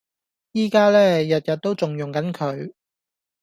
依家呢，日日都仲用緊佢！